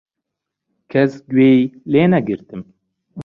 کەس گوێی لێنەگرتم.